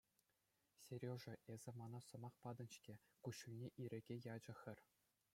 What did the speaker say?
Сережа, эсӗ мана сӑмах патӑн-ҫке, — куҫҫульне ирӗке ячӗ хӗр.